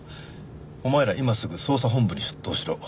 「お前ら今すぐ捜査本部に出頭しろ」。